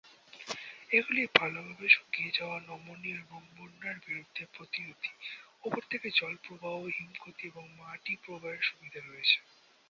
এগুলি ভালভাবে শুকিয়ে যাওয়া, নমনীয় এবং বন্যার বিরুদ্ধে প্রতিরোধী, উপর থেকে জল প্রবাহ, হিম ক্ষতি এবং মাটির প্রবাহের সুবিধা রয়েছে।